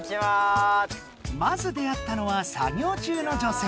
まず出会ったのは作業中の女性。